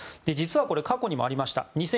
実はこれ過去にもありました。